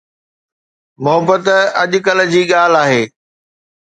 محبت اڄڪلهه جي ڳالهه آهي